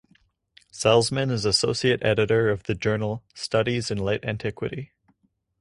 Salzman is Associate Editor of the Journal "Studies in Late Antiquity".